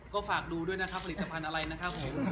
ก็ฝากดูด้วยนะครับผลิตภัณฑ์อะไรนะครับผม